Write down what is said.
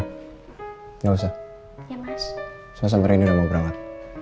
nggak usah usah sama ini udah mau berangkat